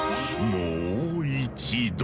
もう一度。